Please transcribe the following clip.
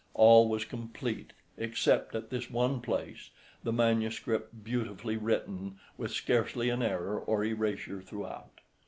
All was complete except at this one place, the manuscript beautifully written, with scarcely an error or erasure throughout.